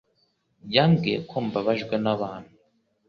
Yambwiye ko mbabajwe n'abantu